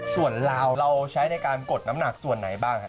ส่วนลาวเราใช้ในการกดน้ำหนักส่วนไหนบ้างครับ